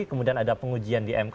kemudian ada pengujian di mk